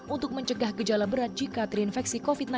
untuk mencegah gejala berat jika terinfeksi covid sembilan belas